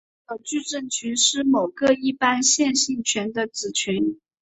所有矩阵群是某个一般线性群的子群。